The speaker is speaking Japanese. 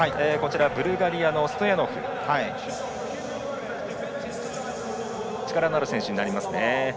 ブルガリアのストヤノフは力のある選手になりますね。